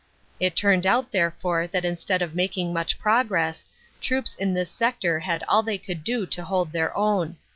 It turned out therefore that instead of making much progress, troops in this sector had all they could do to hold their own.